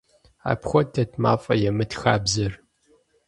Апхуэдэт «мафӏэемыт» хабзэр.